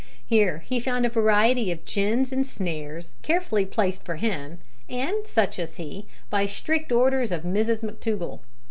Here he found a variety of gins and snares carefully placed for him and such as he by strict orders of Mrs McTougall.